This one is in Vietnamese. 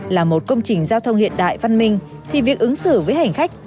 là một công trình giao thông hiện đại văn minh thì việc ứng xử với hành khách